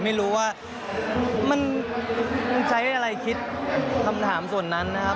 ไม่รู้ว่ามันใช้อะไรคิดคำถามส่วนนั้นนะครับ